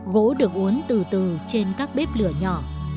gỗ được uốn từ từ trên các bếp lửa nhỏ